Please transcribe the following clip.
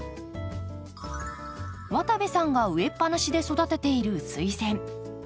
渡部さんが植えっぱなしで育てているスイセン。